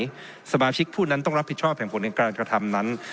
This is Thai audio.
เสียหายสมาชิกผู้นั้นต้องรับผิดชอบแผงผลการกระทำนั้น